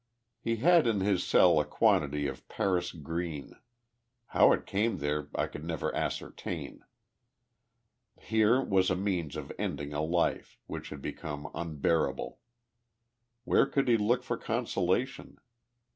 He had in his cell a quantity of Paris green. How it came there I could never ascertain. Here was a means of ending a life, which had become unbearable. Where could he look for consola tion